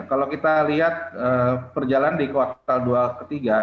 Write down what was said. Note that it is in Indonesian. kalau kita lihat perjalanan di kuartal dua ketiga